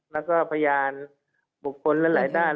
แล้วก็พยานบุคคลหลายด้าน